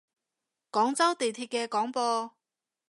廣州地鐵嘅廣播